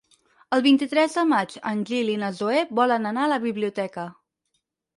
El vint-i-tres de maig en Gil i na Zoè volen anar a la biblioteca.